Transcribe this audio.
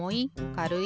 かるい？